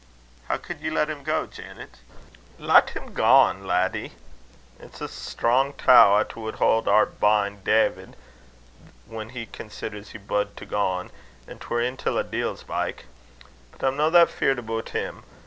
"How could you let him go, Janet?" "Lat him gang, laddie! It's a strang tow 'at wad haud or bin' Dawvid, whan he considers he bud to gang, an' 'twere intill a deil's byke. But I'm no that feared aboot him.